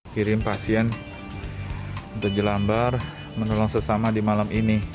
kirim pasien untuk jelambar menolong sesama di malam ini